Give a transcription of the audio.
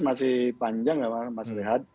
masih panjang ya mas